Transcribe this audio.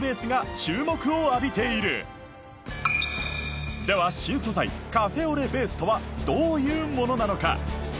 なのででは新素材カフェオレベースとはどういうものなのか？